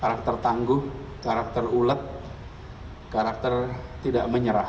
karakter tangguh karakter ulet karakter tidak menyerah